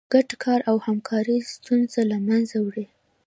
ګډ کار او همکاري ستونزې له منځه وړي.